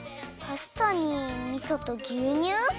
パスタにみそとぎゅうにゅう？